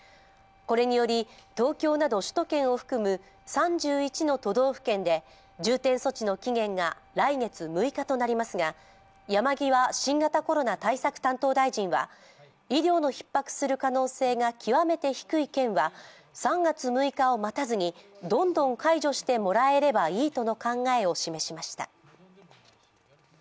これにより、東京など首都圏を含む３１の都道府県で重点措置の期限が来月６日となりますが、山際新型コロナ対策担当大臣は医療のひっ迫する可能性が極めて低い県は３月６日を待たずにどんどん解除してもらえればいいとの考えを示しました。